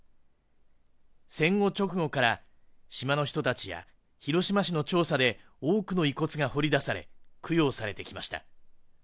戦後直後から、島の人たちや、広島市の調査で多くの遺骨が掘り出され、供養されてきました。